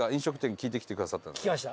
聞きました。